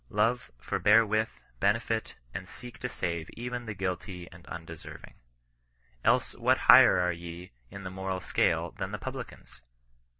Love, forbear with, benefit, an4 seek to save even the guilty and undeserving. Else what higher are ye in the moral scale than the publicans?